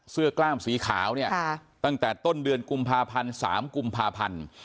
กล้ามสีขาวเนี่ยตั้งแต่ต้นเดือนกุมภาพันธ์๓กุมภาพันธ์